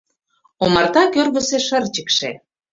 Омарта кӧргысӧ шырчыкше